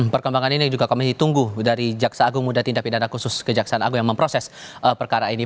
perkembangan ini juga kami tunggu dari jaksa agung muda tindak pidana khusus kejaksaan agung yang memproses perkara ini